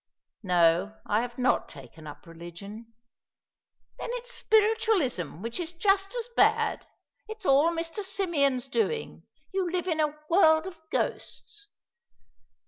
"No, I have not taken up religion." "Then it's spiritualism, which is just as bad. It is all Mr. Symeon's doing. You live in a world of ghosts."